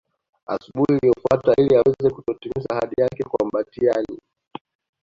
Asubuhi iliyofuata ili aweze kutotimiza ahadi yake kwa Mbatiany